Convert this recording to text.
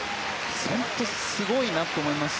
本当にすごいなと思いますし。